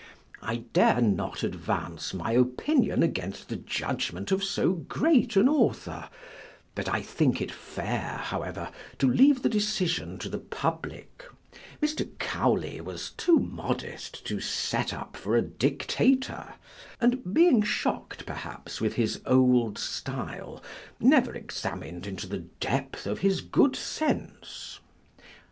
I dare not advance my opinion against the judgment of so great an author; but I think it fair, however, to leave the decision to the public: Mr. Cowley was too modest to set up for a dictator; and being shock'd perhaps with his old style, never examin'd into the depth of his good sense.